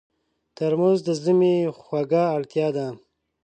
ترموز د ژمي خوږه اړتیا ده.